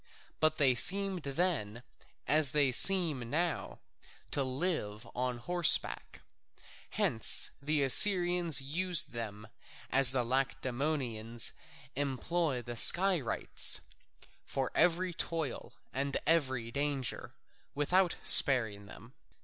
But they seemed then, as they seem now, to live on horseback. Hence the Assyrians used them as the Lacedaemonians employ the Skirites, for every toil and every danger, without sparing them.